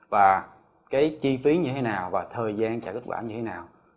và cái chi phí như thế nào và thời gian trả kết quả như thế nào